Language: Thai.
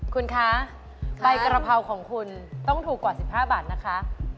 คุณคะใบกระเพราของคุณต้องถูกกว่า๑๕บาทนะคะ